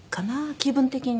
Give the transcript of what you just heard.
気分的に。